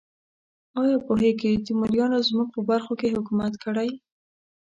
ایا پوهیږئ تیموریانو زموږ په برخو کې حکومت کړی؟